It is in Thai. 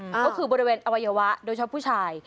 ก็คือบริเวณอวัยวะโดยเฉพาะผู้ชาย